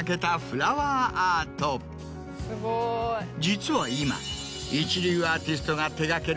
実は今。